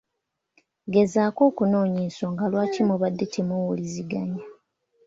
Gezaako okunoonya ensonga lwaki mubadde temuwuliziganya.